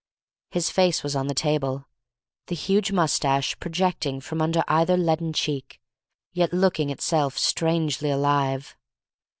His face was on the table, the huge moustache projecting from under either leaden cheek, yet looking itself strangely alive.